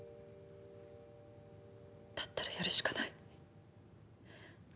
だったらやるしかない。